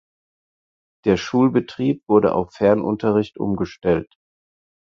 Der Schulbetrieb wurde auf Fernunterricht umgestellt.